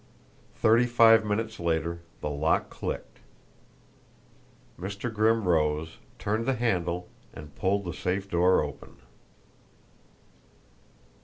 Thirty five minutes later the lock clicked. Mr. Grimm rose, turned the handle, and pulled the safe door open.